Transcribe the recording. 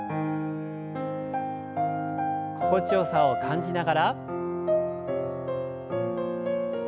心地よさを感じながら。